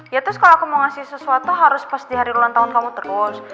ya terus kalau aku mau ngasih sesuatu harus pas di hari ulang tahun kamu terus